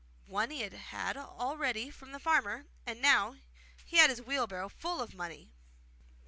One he had had already from the farmer, and now he had his wheelbarrow full of money.